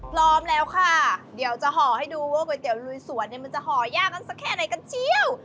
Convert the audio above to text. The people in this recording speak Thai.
พร้อมแล้วค่ะเดี๋ยวจะห่อให้ดูว่าก๋วยเตี๋ยวลุยสวนเนี่ยมันจะห่อยากกันสักแค่ไหนกันเชียว